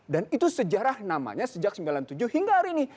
dan itu sejarah namanya sejak seribu sembilan ratus sembilan puluh tujuh hingga hari ini